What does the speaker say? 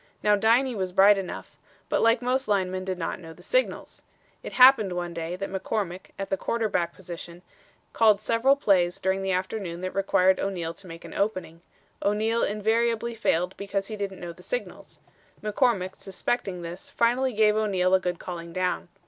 Now Diney was bright enough, but like most linemen did not know the signals. It happened one day that McCormick, at the quarterback position, called several plays during the afternoon that required O'Neal to make an opening. O'Neal invariably failed because he didn't know the signals. McCormick, suspecting this, finally gave O'Neal a good calling down.